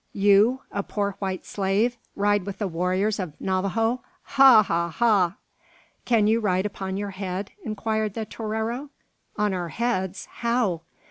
"You! a poor white slave, ride with the warriors of Navajo! Ha! ha! ha!" "Can you ride upon your head?" inquired the torero. "On our heads? How?"